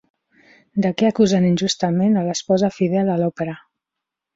De què acusen injustament a l'esposa fidel a l'òpera?